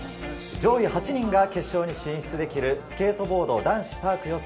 上位８人が決勝に進出できるスケートボード男子パーク予選。